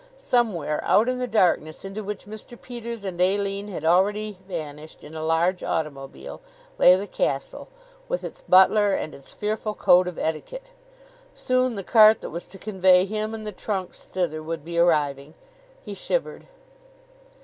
Somewhere out in the darkness into which Mr. Peters and Aline had already vanished in a large automobile, lay the castle, with its butler and its fearful code of etiquette. Soon the cart that was to convey him and the trunks thither would be arriving. He shivered.